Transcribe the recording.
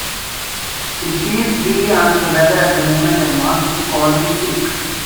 She feels really under the weather at the moment and wants to call in sick.